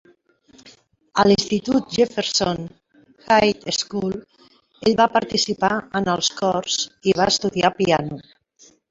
A l"institut Jefferson High School, ell va participar en els cors i va estudiar piano.